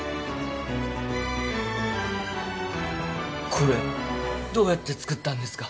これどうやって作ったんですか？